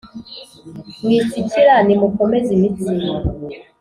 Mwitsikira nimukomeze imitsi